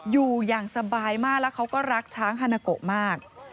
อยู่อย่างสบายมากแล้วเขาก็รักช้างฮานาโกมาก